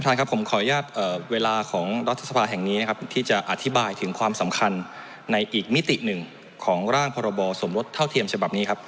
ท่านครับผมขออนุญาตเวลาของรัฐสภาแห่งนี้นะครับที่จะอธิบายถึงความสำคัญในอีกมิติหนึ่งของร่างพรบสมรสเท่าเทียมฉบับนี้ครับ